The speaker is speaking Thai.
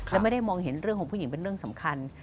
และไม่ได้มองเห็นเรื่องของผู้หญิงเป็นเรื่องสำคัญ